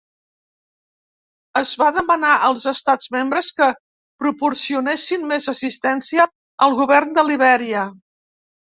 Es va demanar als Estats membres que proporcionessin més assistència al govern de Libèria.